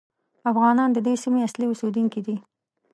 افغانان د دې سیمې اصلي اوسېدونکي دي.